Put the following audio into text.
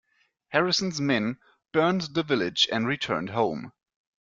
Harrison's men burned the village and returned home.